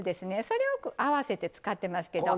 それを合わせて使ってますけど。